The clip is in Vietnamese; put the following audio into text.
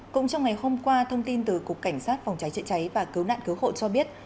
cũng trong ngày hôm qua thông tin từ cục cảnh sát phòng cháy chữa cháy và cứu nạn cứu hộ cho biết